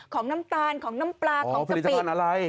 ของน้ำตาลของน้ำปลาของสะปิด